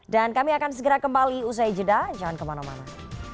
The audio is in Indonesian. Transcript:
dan kami akan segera kembali usai jeda jangan kemana mana